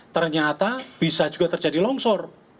ternyata bisa juga terjadi longsor